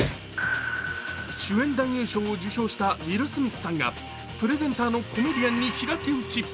主演男優賞を受賞したウィル・スミスさんがプレゼンターのコメディアンに平手打ち。